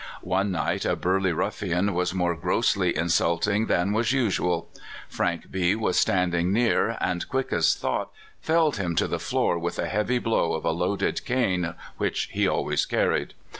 One night a burly ruf fian was more grossly insulting than was usual. Frank B was standing near, and quick as thought felled him to the floor with a heavy blow of a loaded cane which he always carried.